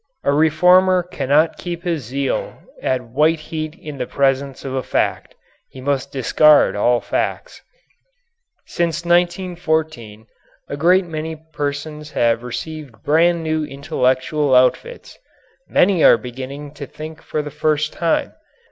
A reformer cannot keep his zeal at white heat in the presence of a fact. He must discard all facts. Since 1914 a great many persons have received brand new intellectual outfits. Many are beginning to think for the first time.